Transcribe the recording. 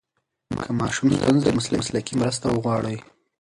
که ماشوم ستونزه لري، مسلکي مرسته وغواړئ.